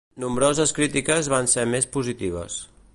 Nombroses crítiques van ser més positives.